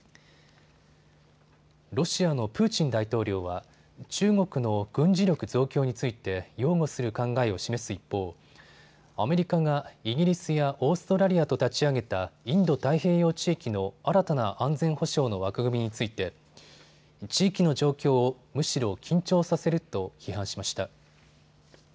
ロシアのプーチン大統領は中国の軍事力増強について擁護する考えを示す一方、アメリカがイギリスやオーストラリアと立ち上げたインド太平洋地域の新たな安全保障の枠組みについて地域の状況をむしろ緊張させると批判しました。